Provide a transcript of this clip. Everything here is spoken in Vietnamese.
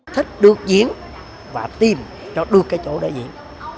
thích được diễn và tìm cho được cái chỗ để diễn